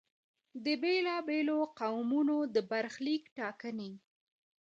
د بېلا بېلو قومونو د برخلیک ټاکنې.